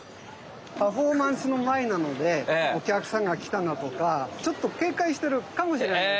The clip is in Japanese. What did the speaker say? パフォーマンスの前なので「おきゃくさんがきたな」とかちょっとけいかいしてるかもしれないです。